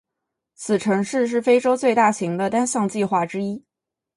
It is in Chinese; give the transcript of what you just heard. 此城市是非洲最大型的单项计划之一。